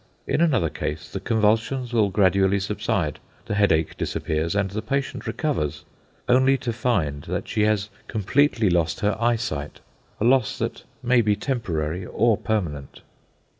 In another case the convulsions will gradually subside, the headache disappears and the patient recovers, only to find that she has completely lost her eyesight, a loss that may be temporary or permanent.